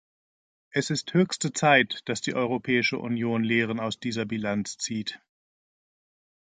Es ist höchste Zeit, dass die Europäische Union Lehren aus dieser Bilanz zieht.